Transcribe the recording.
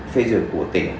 phê duyệt của tỉnh